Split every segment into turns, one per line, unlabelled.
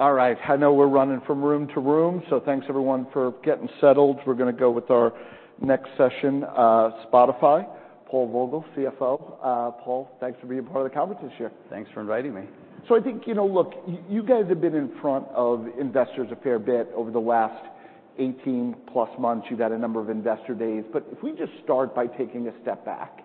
All right, I know we're running from room to room, so thanks everyone for getting settled. We're gonna go with our next session, Spotify, Paul Vogel, Chief Financial Officer. Paul, thanks for being part of the conference this year.
Thanks for inviting me.
So I think, you know, look, you guys have been in front of investors a fair bit over the last 18+ months. You've had a number of investor days. But if we just start by taking a step back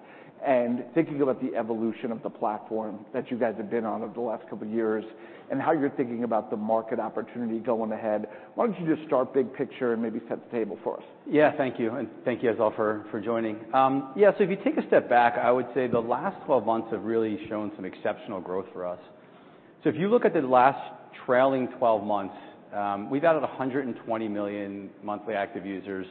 and thinking about the evolution of the platform that you guys have been on over the last couple of years, and how you're thinking about the market opportunity going ahead. Why don't you just start big picture and maybe set the table for us?
Yeah, thank you, and thank you as well for joining. Yeah, so if you take a step back, I would say the last 12 months have really shown some exceptional growth for us. So if you look at the last trailing 12 months, we've added 120 million monthly active users,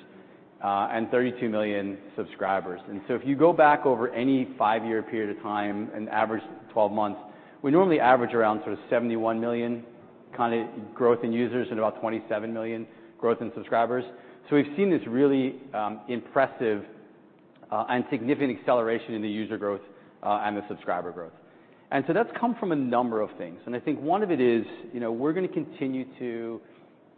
and 32 million subscribers. And so if you go back over any 5-year period of time and average 12 months, we normally average around sort of 71 million kind of growth in users and about 27 million growth in subscribers. So we've seen this really, impressive, and significant acceleration in the user growth, and the subscriber growth. And so that's come from a number of things, and I think one of it is, you know, we're gonna continue to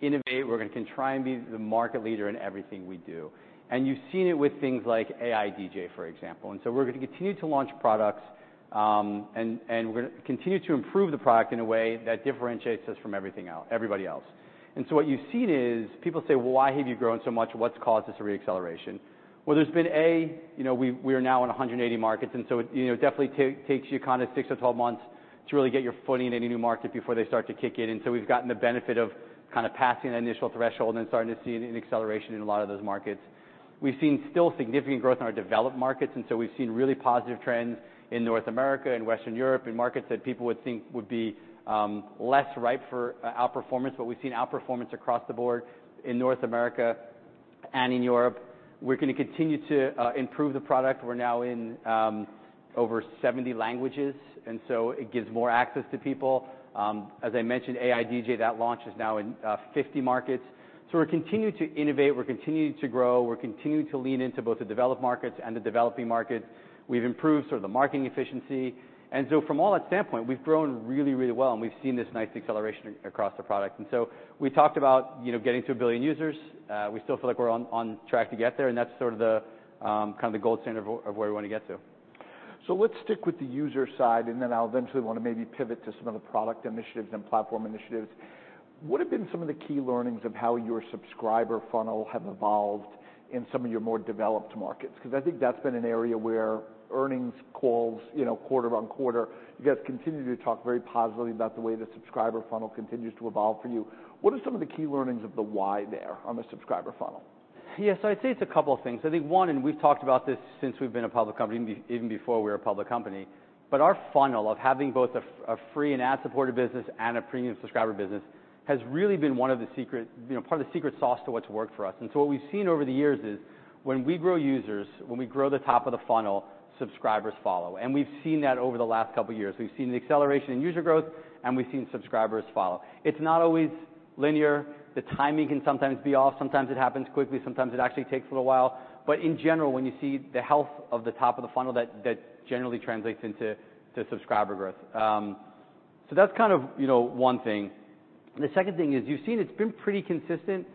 innovate, we're gonna try and be the market leader in everything we do. And you've seen it with things like AI DJ, for example. And so we're gonna continue to launch products, and we're gonna continue to improve the product in a way that differentiates us from everything else, everybody else. And so what you've seen is, people say: "Well, why have you grown so much? What's caused this re-acceleration?" Well, there's been, A, you know, we are now in 180 markets, and so it, you know, definitely takes you kind of 6-12 months to really get your footing in any new market before they start to kick in. And so we've gotten the benefit of kind of passing that initial threshold and starting to see an acceleration in a lot of those markets. We've seen still significant growth in our developed markets, and so we've seen really positive trends in North America and Western Europe, in markets that people would think would be less ripe for outperformance. But we've seen outperformance across the board in North America and in Europe. We're gonna continue to improve the product. We're now in over 70 languages, and so it gives more access to people. As I mentioned, AI DJ that launch is now in 50 markets. So we're continuing to innovate, we're continuing to grow, we're continuing to lean into both the developed markets and the developing markets. We've improved sort of the marketing efficiency. From all that standpoint, we've grown really, really well, and we've seen this nice acceleration across the product. We talked about, you know, getting to 1 billion users. We still feel like we're on track to get there, and that's sort of the kind of the gold standard of where we want to get to.
So let's stick with the user side, and then I'll eventually want to maybe pivot to some of the product initiatives and platform initiatives. What have been some of the key learnings of how your subscriber funnel have evolved in some of your more developed markets? 'Cause I think that's been an area where earnings calls, you know, quarter-over-quarter, you guys continue to talk very positively about the way the subscriber funnel continues to evolve for you. What are some of the key learnings of the why there on the subscriber funnel?
Yeah, so I'd say it's a couple of things. I think one, and we've talked about this since we've been a public company, even before we were a public company, but our funnel of having both a free and ad-supported business and a premium subscriber business has really been one of the secret, you know, part of the secret sauce to what's worked for us. And so what we've seen over the years is, when we grow users, when we grow the top of the funnel, subscribers follow. And we've seen that over the last couple of years. We've seen the acceleration in user growth, and we've seen subscribers follow. It's not always linear. The timing can sometimes be off. Sometimes it happens quickly, sometimes it actually takes a little while. In general, when you see the health of the top of the funnel, that, that generally translates into, to subscriber growth. So that's kind of, you know, one thing. The second thing is, you've seen it's been pretty consistent,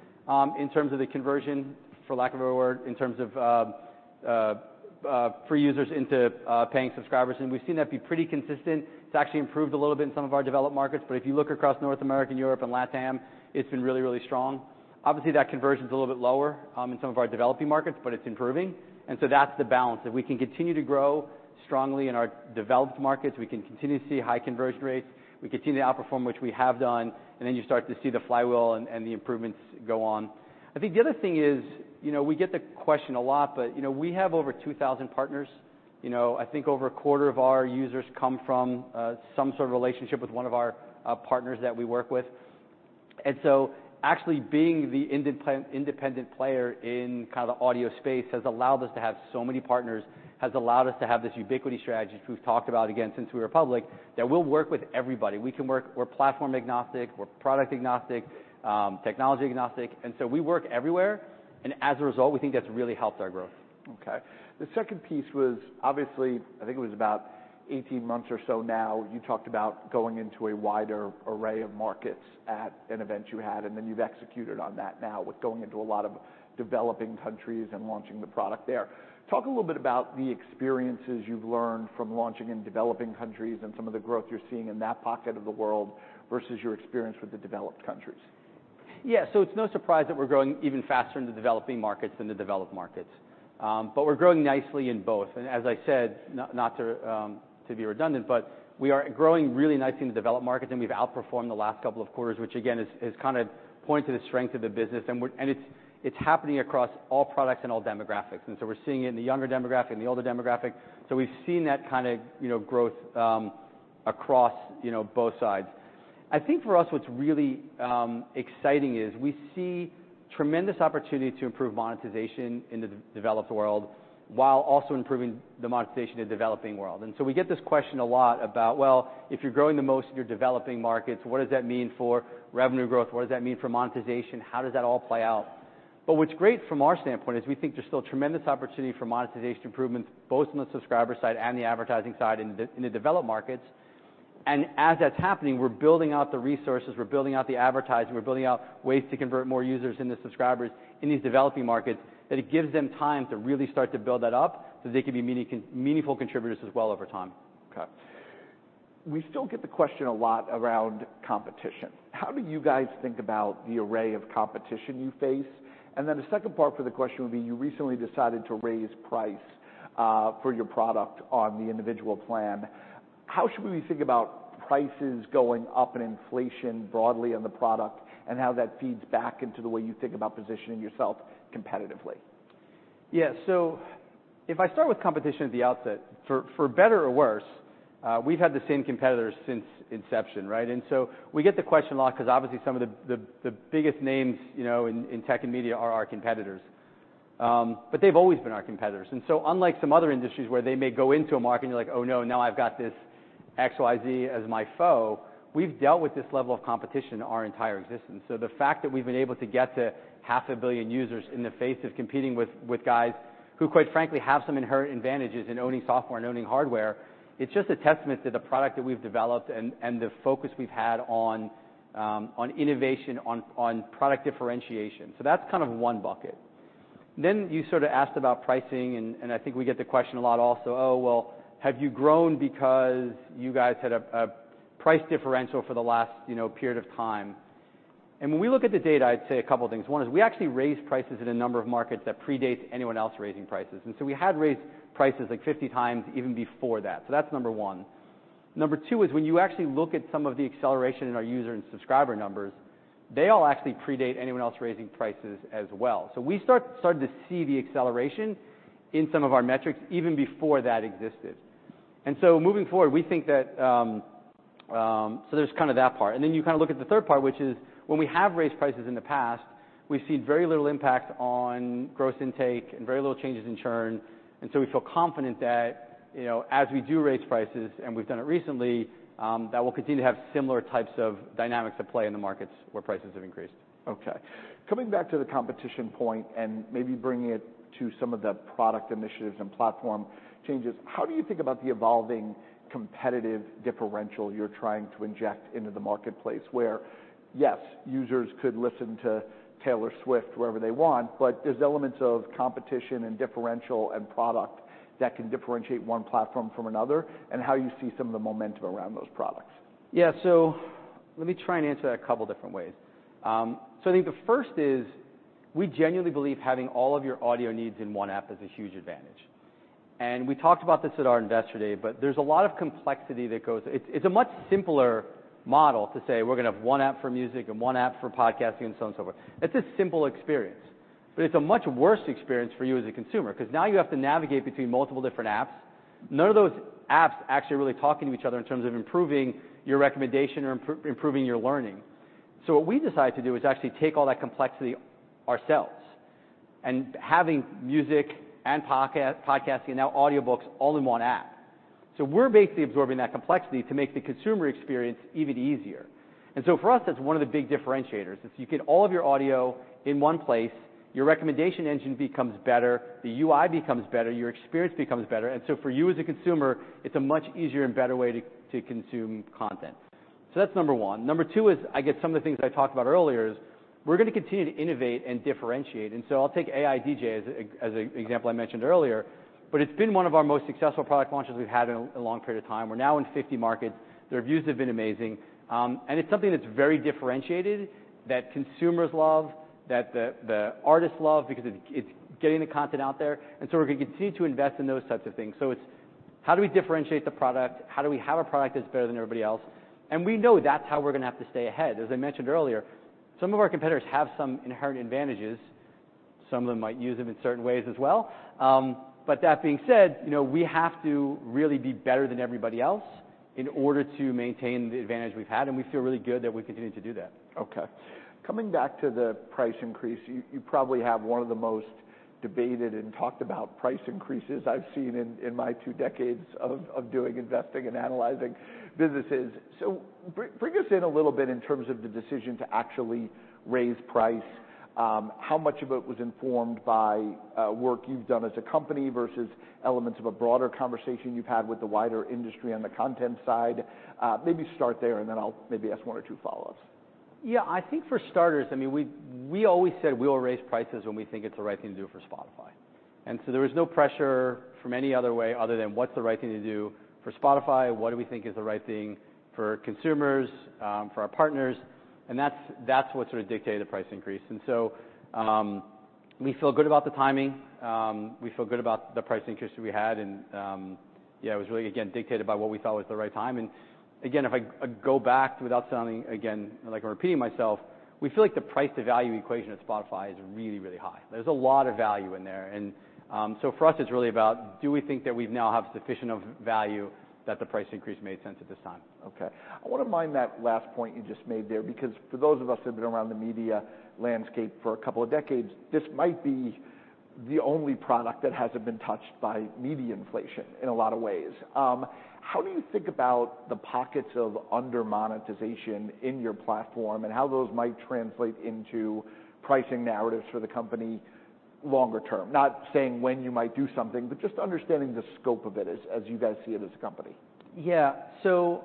in terms of the conversion, for lack of a better word, in terms of, free users into, paying subscribers, and we've seen that be pretty consistent. It's actually improved a little bit in some of our developed markets, but if you look across North America and Europe and LatAm, it's been really, really strong. Obviously, that conversion is a little bit lower, in some of our developing markets, but it's improving. So that's the balance. If we can continue to grow strongly in our developed markets, we can continue to see high conversion rates, we continue to outperform, which we have done, and then you start to see the flywheel and the improvements go on. I think the other thing is, you know, we get the question a lot, but you know, we have over 2,000 partners. You know, I think over a quarter of our users come from some sort of relationship with one of our partners that we work with. And so actually, being the independent player in kind of the audio space has allowed us to have so many partners, has allowed us to have this ubiquity strategy, which we've talked about again since we were public, that we'll work with everybody. We're platform agnostic, we're product agnostic, technology agnostic, and so we work everywhere, and as a result, we think that's really helped our growth.
Okay. The second piece was obviously, I think it was about 18 months or so now, you talked about going into a wider array of markets at an event you had, and then you've executed on that now with going into a lot of developing countries and launching the product there. Talk a little bit about the experiences you've learned from launching in developing countries and some of the growth you're seeing in that pocket of the world versus your experience with the developed countries.
Yeah, so it's no surprise that we're growing even faster in the developing markets than the developed markets. But we're growing nicely in both. And as I said, not to be redundant, but we are growing really nicely in the developed markets, and we've outperformed the last couple of quarters, which again is kind of points to the strength of the business. And it's happening across all products and all demographics. And so we're seeing it in the younger demographic and the older demographic. So we've seen that kind of, you know, growth across, you know, both sides. I think for us, what's really exciting is we see tremendous opportunity to improve monetization in the developed world, while also improving the monetization in the developing world. And so we get this question a lot about, Well, if you're growing the most in your developing markets, what does that mean for revenue growth? What does that mean for monetization? How does that all play out? But what's great from our standpoint is we think there's still tremendous opportunity for monetization improvements, both in the subscriber side and the advertising side in the developed markets. And as that's happening, we're building out the resources, we're building out the advertising, we're building out ways to convert more users into subscribers in these developing markets, that it gives them time to really start to build that up, so they can be meaningful contributors as well over time.
Okay. We still get the question a lot around competition. How do you guys think about the array of competition you face? And then the second part for the question would be, you recently decided to raise price for your product on the individual plan. How should we think about prices going up and inflation broadly on the product, and how that feeds back into the way you think about positioning yourself competitively?
Yeah. So if I start with competition at the outset, for better or worse, we've had the same competitors since inception, right? And so we get the question a lot because, obviously, some of the biggest names, you know, in tech and media are our competitors. But they've always been our competitors. And so unlike some other industries where they may go into a market and you're like, "Oh, no, now I've got this XYZ as my foe," we've dealt with this level of competition our entire existence. So the fact that we've been able to get to half a billion users in the face of competing with guys who, quite frankly, have some inherent advantages in owning software and owning hardware, it's just a testament to the product that we've developed and the focus we've had on innovation, on product differentiation. So that's kind of one bucket. Then you sort of asked about pricing, and I think we get the question a lot also: "Oh, well, have you grown because you guys had a price differential for the last, you know, period of time?" And when we look at the data, I'd say a couple of things. One is we actually raised prices in a number of markets that predates anyone else raising prices, and so we had raised prices like 50x even before that. So that's number one. Number two is when you actually look at some of the acceleration in our user and subscriber numbers, they all actually predate anyone else raising prices as well. So we started to see the acceleration in some of our metrics even before that existed. And so moving forward, we think that. So there's kind of that part. And then you kind of look at the third part, which is, when we have raised prices in the past, we've seen very little impact on gross intake and very little changes in churn, and so we feel confident that, you know, as we do raise prices, and we've done it recently, that we'll continue to have similar types of dynamics at play in the markets where prices have increased.
Okay. Coming back to the competition point and maybe bringing it to some of the product initiatives and platform changes, how do you think about the evolving competitive differential you're trying to inject into the marketplace, where, yes, users could listen to Taylor Swift wherever they want, but there's elements of competition, and differential, and product that can differentiate one platform from another, and how you see some of the momentum around those products?
Yeah. So let me try and answer that a couple different ways. So I think the first is, we genuinely believe having all of your audio needs in one app is a huge advantage. And we talked about this at our Investor Day, but there's a lot of complexity that goes, it's a much simpler model to say: We're going to have one app for music and one app for podcasting, and so on and so forth. It's a simple experience, but it's a much worse experience for you as a consumer, because now you have to navigate between multiple different apps. None of those apps are actually really talking to each other in terms of improving your recommendation or improving your learning. So what we decided to do is actually take all that complexity ourselves, and having music and podcasting, and now audiobooks all in one app. So we're basically absorbing that complexity to make the consumer experience even easier. And so for us, that's one of the big differentiators. If you get all of your audio in one place, your recommendation engine becomes better, the UI becomes better, your experience becomes better, and so for you as a consumer, it's a much easier and better way to consume content. So that's number one. Number two is, I guess, some of the things I talked about earlier is, we're going to continue to innovate and differentiate. And so I'll take AI DJ as an example I mentioned earlier, but it's been one of our most successful product launches we've had in a long period of time. We're now in 50 markets. The reviews have been amazing. And it's something that's very differentiated, that consumers love, that the artists love because it's getting the content out there, and so we're going to continue to invest in those types of things. So it's how do we differentiate the product? How do we have a product that's better than everybody else? And we know that's how we're going to have to stay ahead. As I mentioned earlier, some of our competitors have some inherent advantages. Some of them might use them in certain ways as well. But that being said, you know, we have to really be better than everybody else in order to maintain the advantage we've had, and we feel really good that we continue to do that.
Okay. Coming back to the price increase, you probably have one of the most debated and talked about price increases I've seen in my two decades of doing investing and analyzing businesses. So bring us in a little bit in terms of the decision to actually raise price. How much of it was informed by work you've done as a company versus elements of a broader conversation you've had with the wider industry on the content side? Maybe start there, and then I'll maybe ask one or two follow-ups.
Yeah, I think for starters, I mean, we always said we will raise prices when we think it's the right thing to do for Spotify. And so there was no pressure from any other way other than, what's the right thing to do for Spotify? What do we think is the right thing for consumers, for our partners? And that's what sort of dictated the price increase. And so, we feel good about the timing. We feel good about the price increase that we had. And, yeah, it was really, again, dictated by what we thought was the right time. And again, if I go back without sounding, again, like I'm repeating myself, we feel like the price to value equation at Spotify is really, really high. There's a lot of value in there. So for us, it's really about, do we think that we now have sufficient of value that the price increase made sense at this time?
Okay. I want to mine that last point you just made there, because for those of us who have been around the media landscape for a couple of decades, this might be the only product that hasn't been touched by media inflation in a lot of ways. How do you think about the pockets of under monetization in your platform, and how those might translate into pricing narratives for the company longer term? Not saying when you might do something, but just understanding the scope of it as, as you guys see it as a company.
Yeah. So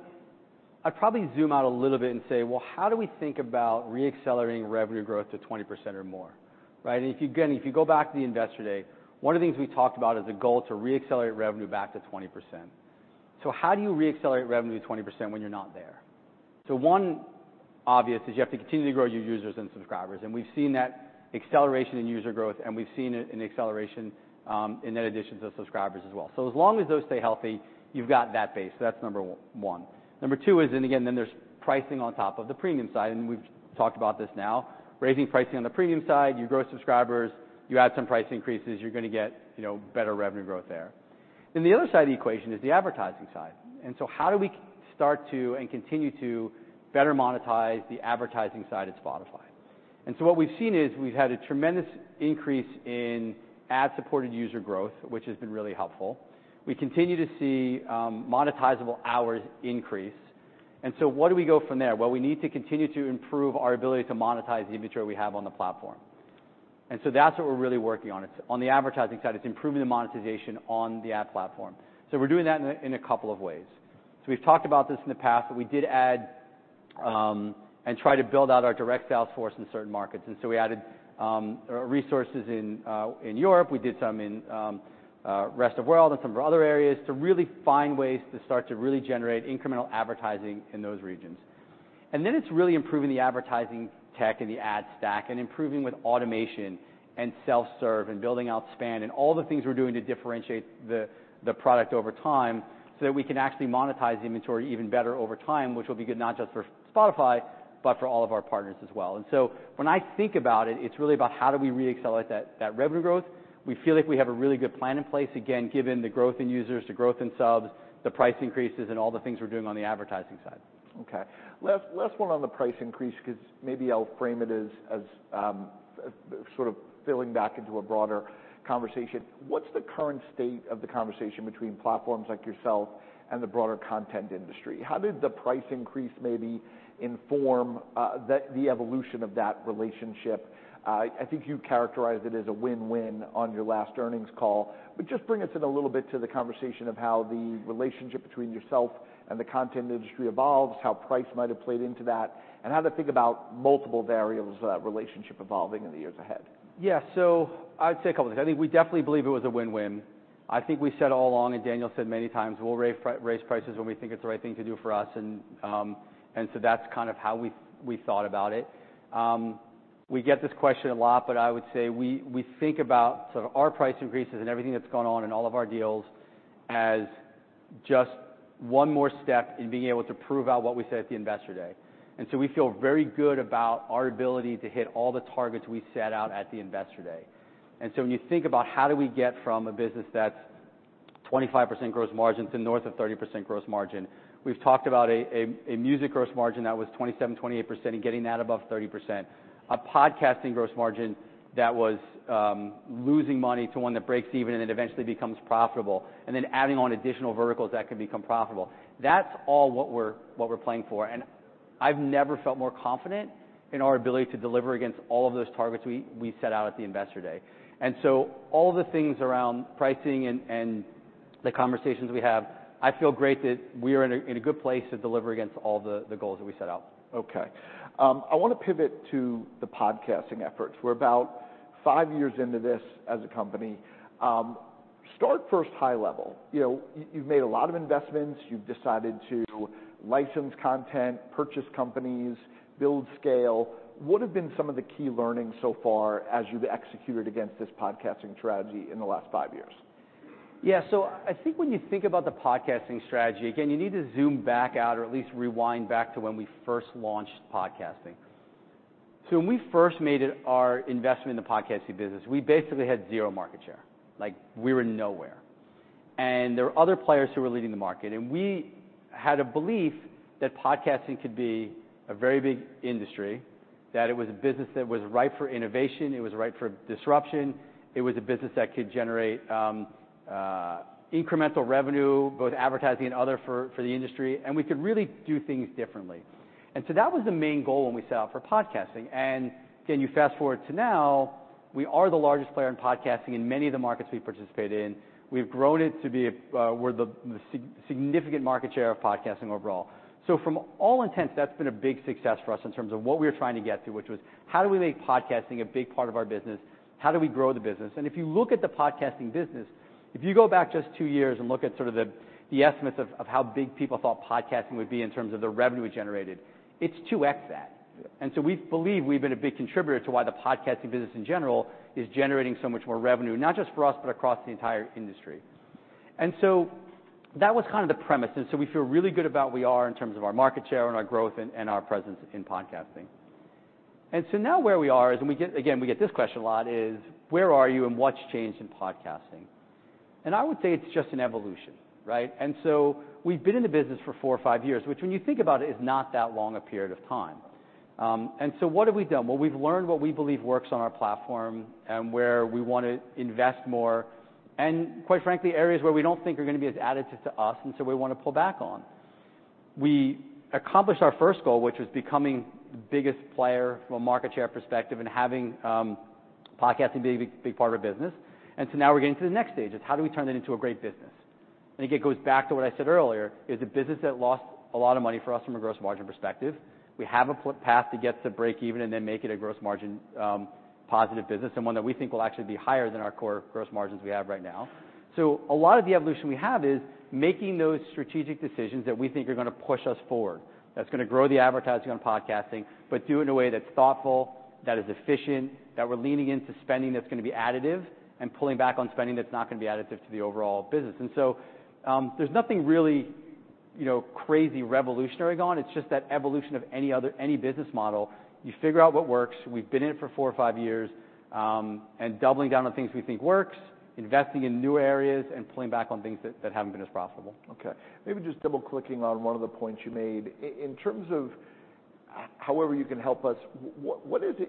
I'd probably zoom out a little bit and say: Well, how do we think about re-accelerating revenue growth to 20% or more, right? And if you, again, if you go back to the Investor Day, one of the things we talked about is the goal to re-accelerate revenue back to 20%. So how do you re-accelerate revenue to 20% when you're not there? So one obvious is you have to continue to grow your users and subscribers, and we've seen that acceleration in user growth, and we've seen it in acceleration in net additions of subscribers as well. So as long as those stay healthy, you've got that base. So that's number one. Number two is, and again, then there's pricing on top of the premium side, and we've talked about this now. Raising pricing on the premium side, you grow subscribers, you add some price increases, you're gonna get, you know, better revenue growth there. Then the other side of the equation is the advertising side, and so how do we start to and continue to better monetize the advertising side of Spotify? And so what we've seen is, we've had a tremendous increase in ad-supported user growth, which has been really helpful. We continue to see monetizable hours increase. And so where do we go from there? Well, we need to continue to improve our ability to monetize the inventory we have on the platform. And so that's what we're really working on. It's on the advertising side, it's improving the monetization on the ad platform. So we're doing that in a couple of ways. So we've talked about this in the past, but we did add, and try to build out our direct sales force in certain markets, and so we added, resources in Europe. We did some in Rest of World and some other areas to really find ways to start to really generate incremental advertising in those regions. And then it's really improving the advertising tech and the Ad Stack, and improving with automation and self-serve and building out SPAN, and all the things we're doing to differentiate the product over time, so that we can actually monetize the inventory even better over time, which will be good not just for Spotify, but for all of our partners as well. And so when I think about it, it's really about how do we re-accelerate that revenue growth. We feel like we have a really good plan in place, again, given the growth in users, the growth in subs, the price increases, and all the things we're doing on the advertising side.
Okay. Last, last one on the price increase, 'cause maybe I'll frame it as, as, sort of filling back into a broader conversation. What's the current state of the conversation between platforms like yourself and the broader content industry? How did the price increase maybe inform, the, the evolution of that relationship? I think you characterized it as a win-win on your last earnings call. But just bring us in a little bit to the conversation of how the relationship between yourself and the content industry evolves, how price might have played into that, and how to think about multiple variables of that relationship evolving in the years ahead.
Yeah. So I'd say a couple of things. I think we definitely believe it was a win-win. I think we said all along, and Daniel said many times, "We'll raise prices when we think it's the right thing to do for us." And so that's kind of how we thought about it. We get this question a lot, but I would say we think about sort of our price increases and everything that's gone on in all of our deals as just one more step in being able to prove out what we said at the Investor Day. And so we feel very good about our ability to hit all the targets we set out at the Investor Day. And so when you think about how do we get from a business that's 25% gross margin to north of 30% gross margin, we've talked about a music gross margin that was 27%-28% and getting that above 30%. A podcasting gross margin that was losing money to one that breaks even and then eventually becomes profitable, and then adding on additional verticals that can become profitable. That's all what we're playing for, and I've never felt more confident in our ability to deliver against all of those targets we set out at the Investor Day. And so all the things around pricing and the conversations we have, I feel great that we are in a good place to deliver against all the goals that we set out.
Okay. I want to pivot to the podcasting efforts. We're about five years into this as a company. Start first high level. You know, you've made a lot of investments. You've decided to license content, purchase companies, build scale. What have been some of the key learnings so far as you've executed against this podcasting strategy in the last five years?
Yeah, so I think when you think about the podcasting strategy, again, you need to zoom back out or at least rewind back to when we first launched podcasting. So when we first made it our investment in the podcasting business, we basically had zero market share. Like, we were nowhere, and there were other players who were leading the market. And we had a belief that podcasting could be a very big industry, that it was a business that was ripe for innovation, it was ripe for disruption. It was a business that could generate, incremental revenue, both advertising and other for, for the industry, and we could really do things differently. And so that was the main goal when we set out for podcasting. And then you fast-forward to now, we are the largest player in podcasting in many of the markets we participate in. We've grown it to be, we're the significant market share of podcasting overall. So from all intents, that's been a big success for us in terms of what we were trying to get to, which was: How do we make podcasting a big part of our business? How do we grow the business? And if you look at the podcasting business, if you go back just two years and look at sort of the estimates of how big people thought podcasting would be in terms of the revenue generated, it's 2x that. And so we believe we've been a big contributor to why the podcasting business in general is generating so much more revenue, not just for us, but across the entire industry. And so that was kind of the premise, and so we feel really good about where we are in terms of our market share and our growth and our presence in podcasting. And so now where we are is, and we get... Again, we get this question a lot, is: Where are you and what's changed in podcasting? And I would say it's just an evolution, right? And so we've been in the business for four or five years, which, when you think about it, is not that long a period of time. And so what have we done? Well, we've learned what we believe works on our platform and where we want to invest more and, quite frankly, areas where we don't think are going to be as additive to us, and so we want to pull back on. We accomplished our first goal, which was becoming the biggest player from a market share perspective and having podcasting be a big, big part of our business. And so now we're getting to the next stage, is how do we turn that into a great business? I think it goes back to what I said earlier, it's a business that lost a lot of money for us from a Gross Margin perspective. We have a path to get to breakeven and then make it a Gross Margin positive business, and one that we think will actually be higher than our core Gross Margins we have right now. So a lot of the evolution we have is making those strategic decisions that we think are gonna push us forward, that's gonna grow the advertising on podcasting, but do it in a way that's thoughtful, that is efficient, that we're leaning into spending that's gonna be additive, and pulling back on spending that's not gonna be additive to the overall business. And so, there's nothing really, you know, crazy revolutionary going. It's just that evolution of any business model. You figure out what works. We've been in it for four or five years, and doubling down on things we think works, investing in new areas, and pulling back on things that haven't been as profitable.
Okay. Maybe just double-clicking on one of the points you made. In terms of however you can help us, what is it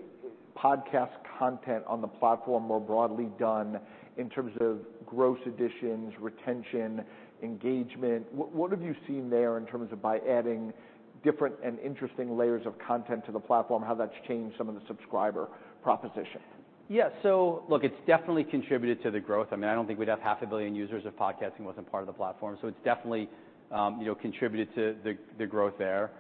podcast content on the platform more broadly done in terms of gross additions, retention, engagement? What have you seen there in terms of by adding different and interesting layers of content to the platform, how that's changed some of the subscriber proposition?
Yeah. So look, it's definitely contributed to the growth. I mean, I don't think we'd have 500 million users if podcasting wasn't part of the platform. So it's definitely, you know, contributed to the growth there.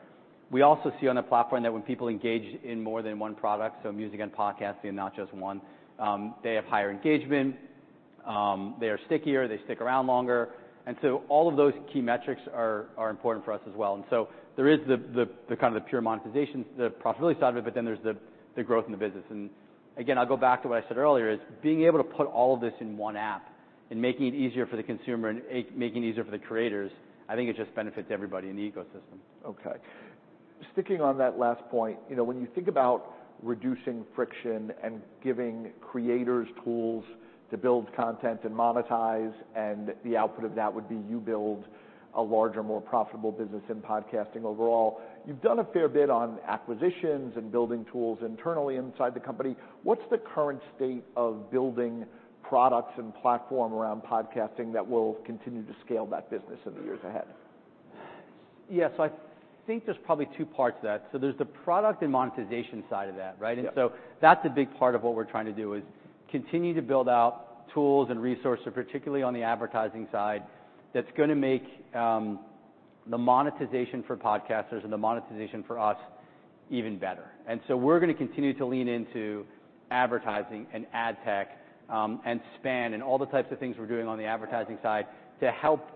We also see on the platform that when people engage in more than one product, so music and podcasting, and not just one, they have higher engagement, they are stickier, they stick around longer. And so all of those key metrics are important for us as well. And so there is the kind of pure monetization, the profitability side of it, but then there's the growth in the business. Again, I'll go back to what I said earlier, is being able to put all of this in one app and making it easier for the consumer and making it easier for the creators. I think it just benefits everybody in the ecosystem.
Okay. Sticking on that last point, you know, when you think about reducing friction and giving creators tools to build content and monetize, and the output of that would be you build a larger, more profitable business in podcasting overall, you've done a fair bit on acquisitions and building tools internally inside the company. What's the current state of building products and platform around podcasting that will continue to scale that business in the years ahead?
Yes. So I think there's probably two parts to that. So there's the product and monetization side of that, right?
Yeah.
And so that's a big part of what we're trying to do, is continue to build out tools and resources, particularly on the advertising side, that's gonna make the monetization for podcasters and the monetization for us even better. And so we're gonna continue to lean into advertising and ad tech, and span and all the types of things we're doing on the advertising side to help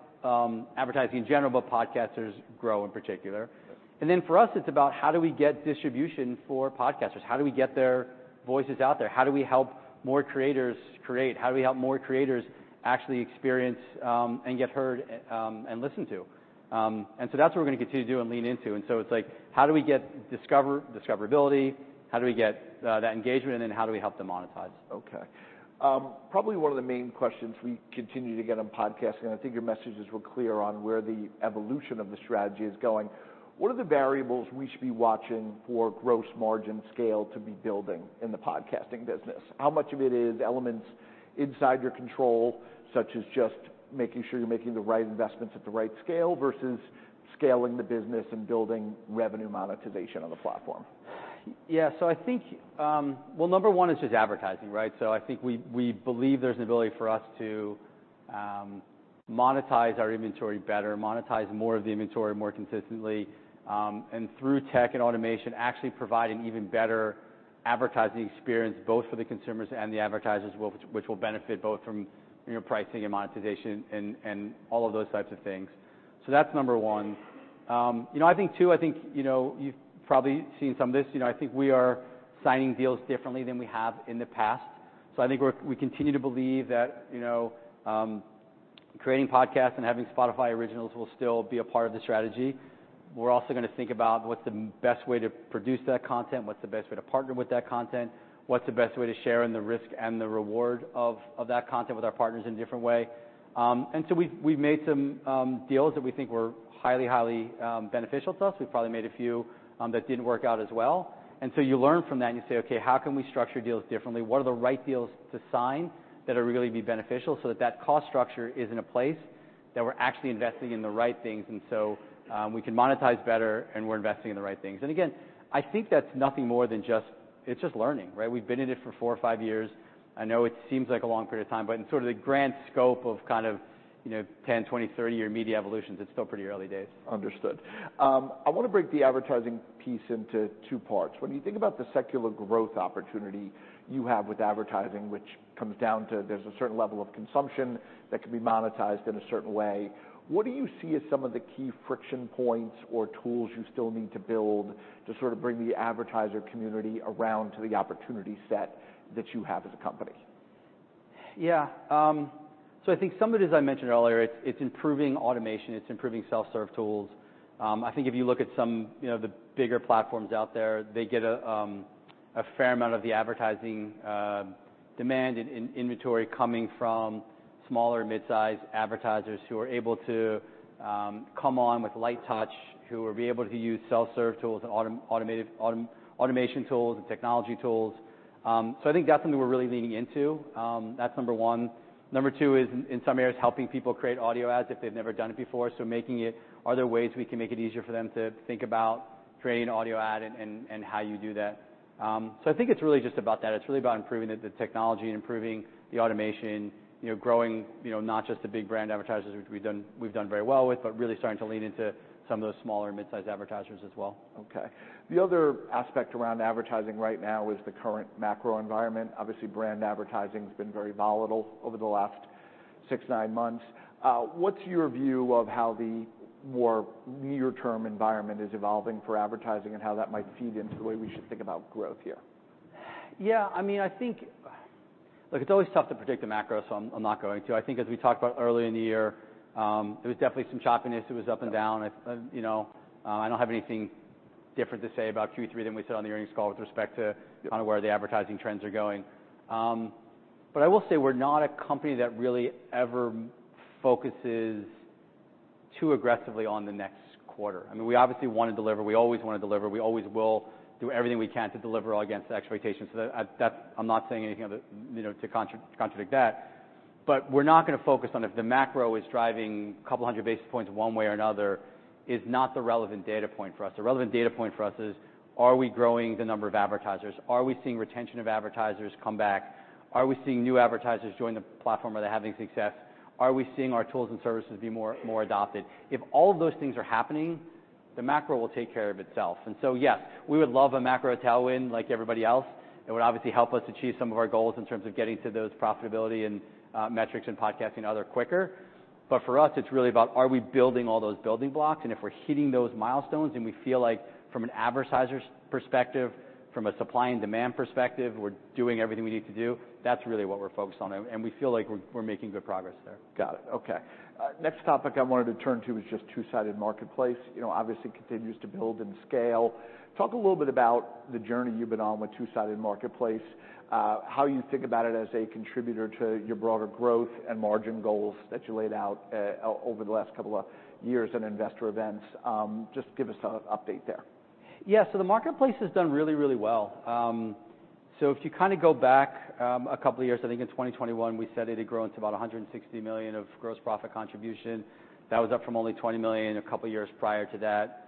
advertising in general, but podcasters grow in particular.
Yeah.
And then for us, it's about how do we get distribution for podcasters? How do we get their voices out there? How do we help more creators create? How do we help more creators actually experience, and get heard, and listened to? And so that's what we're gonna continue to do and lean into. And so it's like, how do we get discoverability? How do we get that engagement, and how do we help them monetize?
Okay. Probably one of the main questions we continue to get on podcasting, and I think your messages were clear on where the evolution of the strategy is going: What are the variables we should be watching for Gross Margin scale to be building in the podcasting business? How much of it is elements inside your control, such as just making sure you're making the right investments at the right scale, versus scaling the business and building revenue monetization on the platform?
Yeah. So I think, well, number one is just advertising, right? So I think we, we believe there's an ability for us to monetize our inventory better, monetize more of the inventory more consistently, and through tech and automation, actually provide an even better advertising experience, both for the consumers and the advertisers, which will benefit both from, you know, pricing and monetization and all of those types of things. So that's number one. You know, I think two, I think, you know, you've probably seen some of this. You know, I think we are signing deals differently than we have in the past. So I think we continue to believe that, you know, creating podcasts and having Spotify Originals will still be a part of the strategy. We're also gonna think about what's the best way to produce that content, what's the best way to partner with that content? What's the best way to share in the risk and the reward of, of that content with our partners in a different way? And so we've made some deals that we think were highly, highly beneficial to us. We've probably made a few that didn't work out as well. And so you learn from that and you say, "Okay, how can we structure deals differently? What are the right deals to sign that will really be beneficial, so that that cost structure is in a place that we're actually investing in the right things, and so, we can monetize better, and we're investing in the right things?" And again, I think that's nothing more than just... It's just learning, right? We've been in it for four or five years. I know it seems like a long period of time, but in sort of the grand scope of kind of, you know, 10-, 20-, 30-year media evolutions, it's still pretty early days.
Understood. I want to break the advertising piece into two parts. When you think about the secular growth opportunity you have with advertising, which comes down to there's a certain level of consumption that can be monetized in a certain way, what do you see as some of the key friction points or tools you still need to build to sort of bring the advertiser community around to the opportunity set that you have as a company?
Yeah. So I think some of it, as I mentioned earlier, it's improving automation, it's improving self-serve tools. I think if you look at some, you know, the bigger platforms out there, they get a fair amount of the advertising demand in inventory coming from smaller mid-size advertisers who are able to come on with light touch, who will be able to use self-serve tools and automated automation tools and technology tools. So I think that's something we're really leaning into. That's number one. Number two is, in some areas, helping people create audio ads if they've never done it before. So making it easier for them to think about creating an audio ad and how you do that. So I think it's really just about that. It's really about improving the technology and improving the automation. You know, growing, you know, not just the big brand advertisers, which we've done, we've done very well with, but really starting to lean into some of those smaller mid-size advertisers as well.
Okay. The other aspect around advertising right now is the current macro environment. Obviously, brand advertising's been very volatile over the last 6-9 months. What's your view of how the more near-term environment is evolving for advertising, and how that might feed into the way we should think about growth here?
Yeah, I mean, I think... Look, it's always tough to predict the macro, so I'm, I'm not going to. I think, as we talked about earlier in the year, there was definitely some choppiness, it was up and down.
Yeah.
You know, I don't have anything different to say about Q3 than we said on the earnings call with respect to-
Yeah
kinda where the advertising trends are going. But I will say we're not a company that really ever focuses too aggressively on the next quarter. I mean, we obviously want to deliver. We always want to deliver. We always will do everything we can to deliver against the expectations. So that... I'm not saying anything other, you know, to contradict that, but we're not gonna focus on if the macro is driving a couple hundred basis points one way or another, is not the relevant data point for us. The relevant data point for us is: Are we growing the number of advertisers? Are we seeing retention of advertisers come back? Are we seeing new advertisers join the platform? Are they having success? Are we seeing our tools and services be more adopted? If all of those things are happening, the macro will take care of itself. And so, yes, we would love a macro tailwind like everybody else. It would obviously help us achieve some of our goals in terms of getting to those profitability and metrics and podcasting other quicker. But for us, it's really about, are we building all those building blocks? And if we're hitting those milestones, and we feel like from an advertiser's perspective, from a supply and demand perspective, we're doing everything we need to do, that's really what we're focused on. And we feel like we're making good progress there.
Got it. Okay. Next topic I wanted to turn to is just Two-Sided Marketplace. You know, obviously continues to build and scale. Talk a little bit about the journey you've been on with Two-Sided Marketplace, how you think about it as a contributor to your broader growth and margin goals that you laid out, over the last couple of years at investor events. Just give us an update there.
Yeah. So the marketplace has done really, really well. So if you kind of go back, a couple of years, I think in 2021, we said it'd grow to about 160 million of gross profit contribution. That was up from only 20 million a couple years prior to that.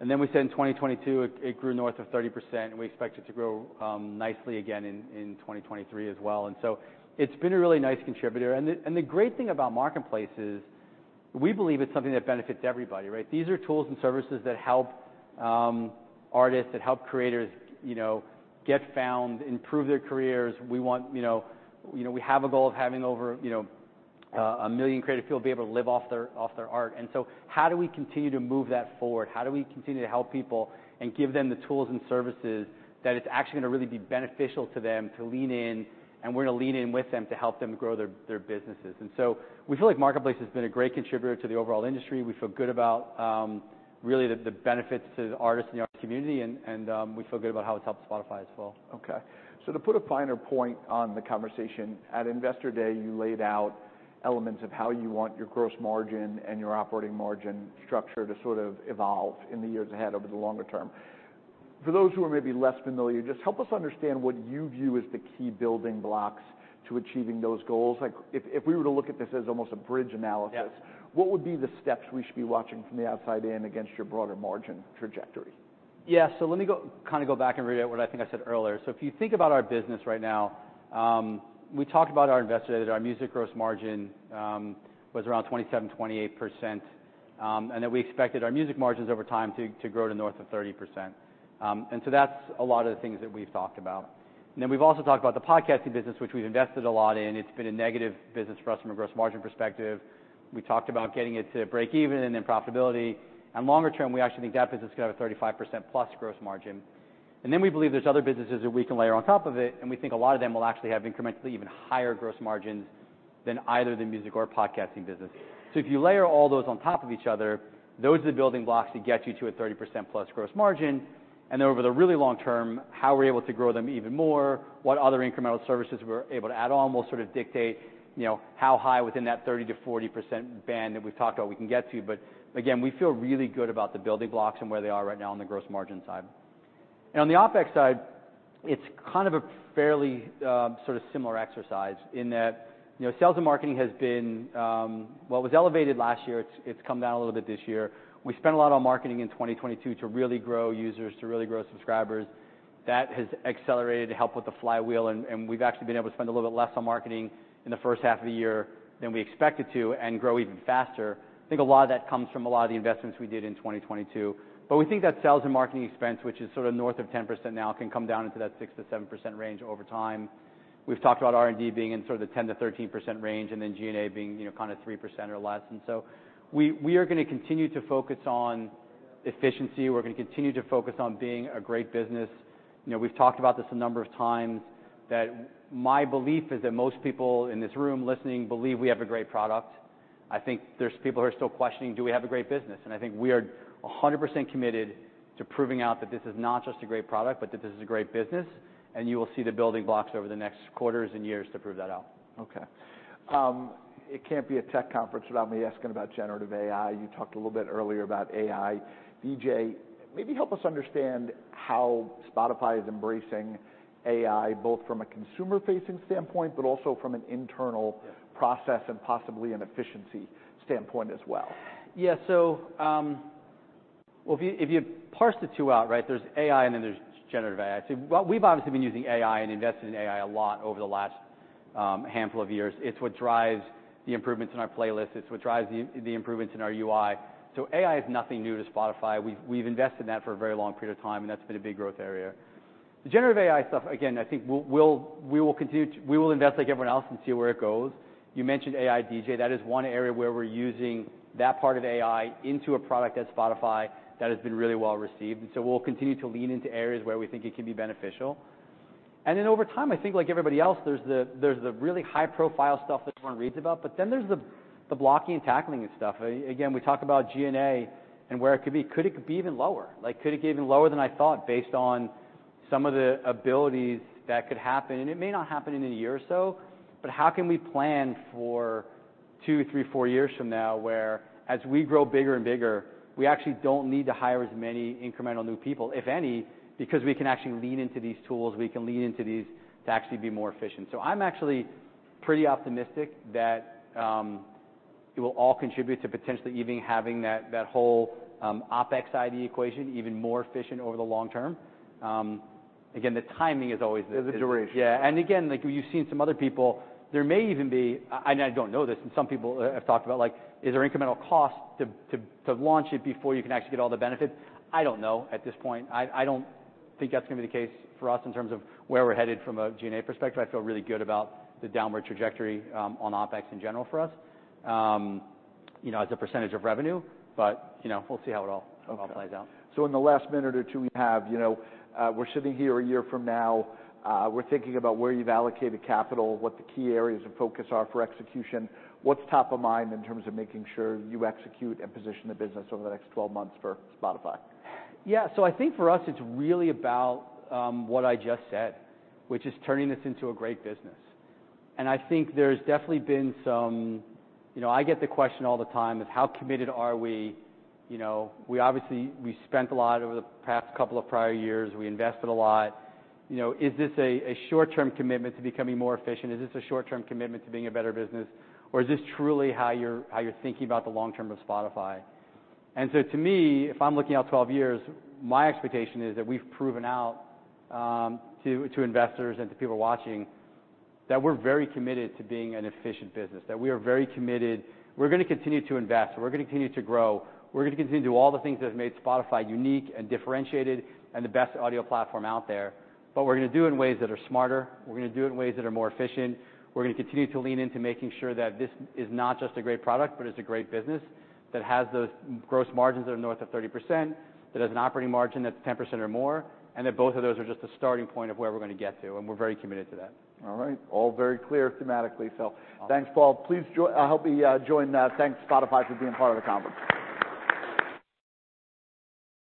And then we said in 2022, it grew north of 30%, and we expect it to grow nicely again in 2023 as well. And so it's been a really nice contributor. And the great thing about marketplace is, we believe it's something that benefits everybody, right? These are tools and services that help artists, that help creators, you know, get found, improve their careers. We want, you know... You know, we have a goal of having over, you know, a million creative people be able to live off their, off their art. And so how do we continue to move that forward? How do we continue to help people and give them the tools and services, that it's actually gonna really be beneficial to them to lean in, and we're gonna lean in with them to help them grow their, their businesses? And so we feel like marketplace has been a great contributor to the overall industry. We feel good about, really, the, the benefits to the artists in our community and, we feel good about how it's helped Spotify as well.
Okay. So to put a finer point on the conversation, at Investor Day, you laid out elements of how you want your Gross Margin and your Operating Margin structure to sort of evolve in the years ahead, over the longer term. For those who are maybe less familiar, just help us understand what you view as the key building blocks to achieving those goals. Like, if we were to look at this as almost a bridge analysis-
Yeah
What would be the steps we should be watching from the outside in against your broader margin trajectory?
Yeah. So let me go, kinda go back and read out what I think I said earlier. So if you think about our business right now, we talked about our investor, that our music gross margin was around 27%-28%, and that we expected our music margins over time to, to grow to north of 30%. And so that's a lot of the things that we've talked about. And then we've also talked about the podcasting business, which we've invested a lot in. It's been a negative business for us from a gross margin perspective. We talked about getting it to break even and then profitability, and longer term, we actually think that business can have a 35%+ gross margin. And then we believe there's other businesses that we can layer on top of it, and we think a lot of them will actually have incrementally even higher gross margins than either the music or podcasting business. So if you layer all those on top of each other, those are the building blocks to get you to a 30%+ gross margin, and then over the really long term, how we're able to grow them even more, what other incremental services we're able to add on, will sort of dictate, you know, how high within that 30%-40% band that we've talked about, we can get to. But again, we feel really good about the building blocks and where they are right now on the gross margin side. On the OpEx side, it's kind of a fairly sort of similar exercise in that, you know, sales and marketing has been. Well, it was elevated last year. It's come down a little bit this year. We spent a lot on marketing in 2022 to really grow users, to really grow subscribers. That has accelerated to help with the flywheel, and we've actually been able to spend a little bit less on marketing in the first half of the year than we expected to, and grow even faster. I think a lot of that comes from a lot of the investments we did in 2022. But we think that sales and marketing expense, which is sort of north of 10% now, can come down into that 6%-7% range over time. We've talked about R&D being in sort of the 10%-13% range, and then G&A being, you know, kind of 3% or less. So we are gonna continue to focus on efficiency. We're gonna continue to focus on being a great business. You know, we've talked about this a number of times, that my belief is that most people in this room listening believe we have a great product. I think there's people who are still questioning, do we have a great business? And I think we are 100% committed to proving out that this is not just a great product, but that this is a great business, and you will see the building blocks over the next quarters and years to prove that out.
Okay. It can't be a tech conference without me asking about generative AI. You talked a little bit earlier about AI DJ, maybe help us understand how Spotify is embracing AI, both from a consumer-facing standpoint, but also from an internal-
Yeah
process and possibly an efficiency standpoint as well.
Yeah, so, well, if you parse the two out, right, there's AI, and then there's generative AI. But we've obviously been using AI and invested in AI a lot over the last handful of years. It's what drives the improvements in our playlist. It's what drives the improvements in our UI. So AI is nothing new to Spotify. We've invested in that for a very long period of time, and that's been a big growth area. The generative AI stuff, again, I think we'll continue to invest like everyone else and see where it goes. You mentioned AI DJ, that is one area where we're using that part of AI into a product at Spotify that has been really well received. And so we'll continue to lean into areas where we think it can be beneficial. And then over time, I think, like everybody else, there's the really high-profile stuff that everyone reads about, but then there's the blocking and tackling and stuff. Again, we talk about G&A and where it could be. Could it be even lower? Like, could it be even lower than I thought, based on some of the abilities that could happen? And it may not happen in a year or so, but how can we plan for two, three, four years from now, whereas we grow bigger and bigger, we actually don't need to hire as many incremental new people, if any, because we can actually lean into these tools; we can lean into these to actually be more efficient. So I'm actually pretty optimistic that it will all contribute to potentially even having that, that whole OpEx side of the equation even more efficient over the long term. Again, the timing is always the-
The duration.
Yeah. Again, like you've seen some other people, there may even be... I don't know this, and some people have talked about, like, is there incremental cost to launch it before you can actually get all the benefits? I don't know at this point. I don't think that's going to be the case for us in terms of where we're headed from a G&A perspective. I feel really good about the downward trajectory on OpEx in general for us, you know, as a percentage of revenue. But, you know, we'll see how it all-
Okay
all plays out.
In the last minute or two, we have, you know, we're sitting here a year from now, we're thinking about where you've allocated capital, what the key areas of focus are for execution. What's top of mind in terms of making sure you execute and position the business over the next 12 months for Spotify?
Yeah, so I think for us, it's really about, what I just said, which is turning this into a great business. I think there's definitely been some... You know, I get the question all the time, is how committed are we? You know, we obviously, we spent a lot over the past couple of prior years, we invested a lot. You know, is this a, a short-term commitment to becoming more efficient? Is this a short-term commitment to being a better business, or is this truly how you're, how you're thinking about the long term of Spotify? And so to me, if I'm looking out 12 years, my expectation is that we've proven out, to, to investors and to people watching, that we're very committed to being an efficient business, that we are very committed. We're gonna continue to invest, we're gonna continue to grow, we're gonna continue to do all the things that have made Spotify unique and differentiated, and the best audio platform out there. But we're gonna do it in ways that are smarter, we're gonna do it in ways that are more efficient. We're gonna continue to lean into making sure that this is not just a great product, but it's a great business, that has those gross margins that are north of 30%, that has an operating margin that's 10% or more, and that both of those are just a starting point of where we're gonna get to, and we're very committed to that.
All right. All very clear thematically. So thanks, Paul. Please help me join... Thank Spotify for being part of the conference.